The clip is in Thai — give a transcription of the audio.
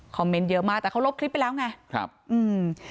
เมนต์เยอะมากแต่เขาลบคลิปไปแล้วไงครับอืม